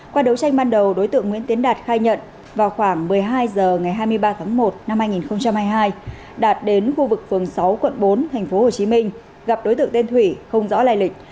qua đấu tranh ban đầu đối tượng nguyễn tiến đạt khai nhận vào khoảng một mươi hai h ngày hai mươi ba tháng một năm hai nghìn hai mươi hai đạt đến khu vực phường sáu quận bốn tp hcm gặp đối tượng tên thủy không rõ lai lịch